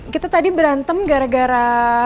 kita tadi berantem gara gara